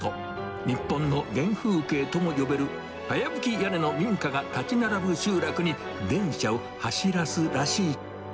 日本の原風景とも呼べる、かやぶき屋根の民家が建ち並ぶ集落に、電車を走らすらしい。